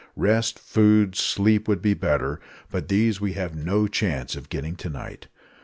Rest, food, sleep, would be better; but these we have no chance of getting to night.